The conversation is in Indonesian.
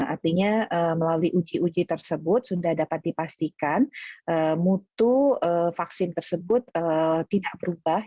artinya melalui uji uji tersebut sudah dapat dipastikan mutu vaksin tersebut tidak berubah